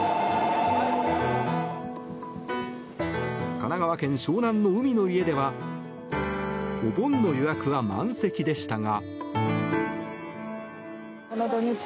神奈川県・湘南の海の家ではお盆の予約は満席でしたが。